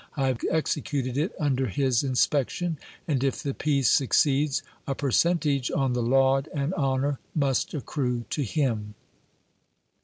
I have executed it under his inspection ; and if the piece succeeds, a per centage on the laud and honour must accrue to him.